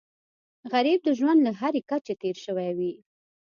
غریب د ژوند له هرې کچې تېر شوی وي